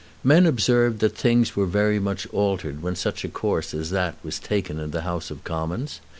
Men observed that things were very much altered when such a course as that was taken in the House of Commons.